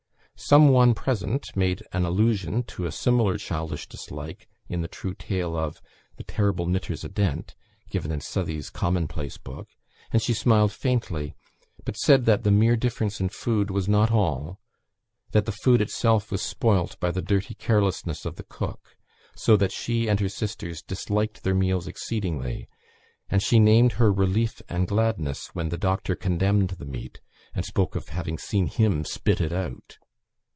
Some one present made an allusion to a similar childish dislike in the true tale of "The terrible knitters o' Dent" given in Southey's "Common place Book:" and she smiled faintly, but said that the mere difference in food was not all: that the food itself was spoilt by the dirty carelessness of the cook, so that she and her sisters disliked their meals exceedingly; and she named her relief and gladness when the doctor condemned the meat, and spoke of having seen him spit it out.